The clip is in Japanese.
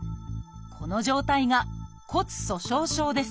この状態が骨粗しょう症です